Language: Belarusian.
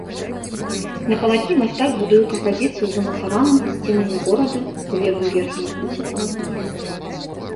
На палатне мастак будуе кампазіцыю з умацаваным сценамі горадам у левым верхнім куце палатна.